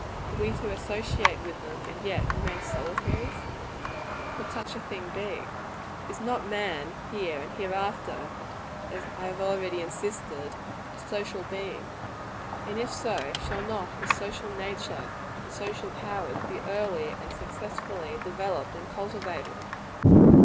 _ Are we to associate with them, and yet remain solitaries? Could such a thing be? Is not man, here and hereafter as I have already insisted a social being? And if so, shall not his social nature and social powers be early and successfully developed and cultivated?